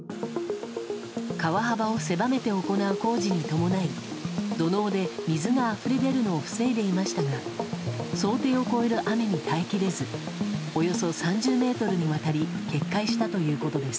川幅を狭めて行う工事に伴い土のうで、水があふれ出るのを防いでいましたが想定を超える雨に耐え切れずおよそ３０ｍにわたり決壊したということです。